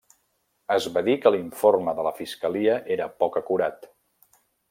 Es va dir que l'informe de la fiscalia era poc acurat.